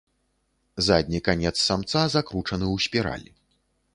Задні канец самца закручаны ў спіраль.